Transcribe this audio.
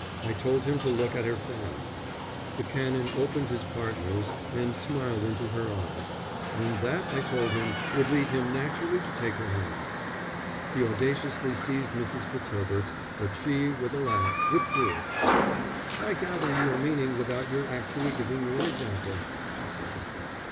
I told him to look at her fan." The Canon opened his partner's and smiled into her eyes. "And that I told him would lead him naturally to take her hand." He audaciously seized Mrs. Fitzherbert's, but she, with a laugh, withdrew it. "I gather your meaning without your actually giving an example," she said.